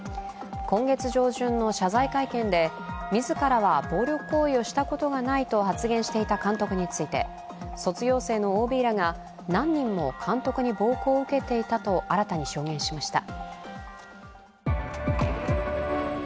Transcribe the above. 今月上旬の謝罪会見で、自らは暴力行為をしたことはないと発言していた監督について、卒業生のＯＢらが何人も監督に暴行を受けていたと新たに証言しました。